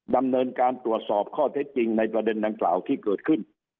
ดำเนินการตรวจสอบข้อเท็จจริงในประเด็นดังกล่าวที่เกิดขึ้น